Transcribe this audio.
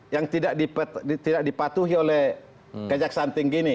yang tidak dipatuhi oleh kejaksaan tinggi ini